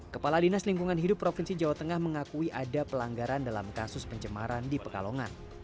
kepala dinas lingkungan hidup provinsi jawa tengah mengakui ada pelanggaran dalam kasus pencemaran di pekalongan